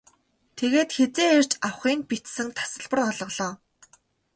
Тэгээд хэзээ ирж авахы нь бичсэн тасалбар олголоо.